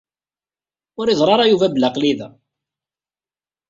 Ur iẓerr ara Yuba belli aql-i da.